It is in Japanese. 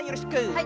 はい。